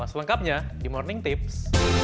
selengkapnya di morning tips